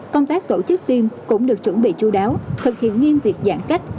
công tác tổ chức tiêm cũng được chuẩn bị chú đáo thực hiện nghiêm việc giãn cách